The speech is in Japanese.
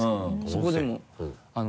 そこでも。